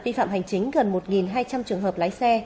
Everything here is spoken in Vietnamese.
vi phạm hành chính gần một hai trăm linh trường hợp lái xe